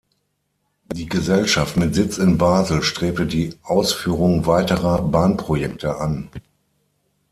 Die Gesellschaft mit Sitz in Basel strebte die Ausführung weiterer Bahnprojekte an.